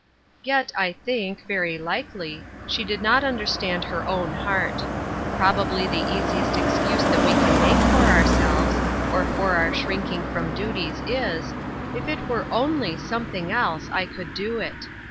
Yet I think, very likely, she did not under stand her own heart. Probably the easiest excuse that we can make for ourselves, or foi 274 JEmharrassment and Merriment. 275 our shrinking from duties, is, " If it were onlt/ something else, I could do it."